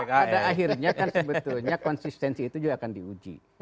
pada akhirnya kan sebetulnya konsistensi itu juga akan diuji